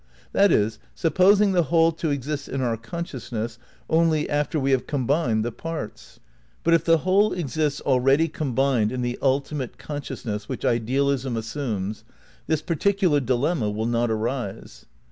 ^ That is, supposing the whole to exist in our con sciousness only after we have combined the parts. But if the whole exists already combined in the ultimate consciousness which idealism assumes, this particular dilemma will not arise.